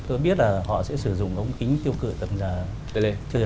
tôi biết là họ sẽ sử dụng ống kính tiêu cửa tầm dài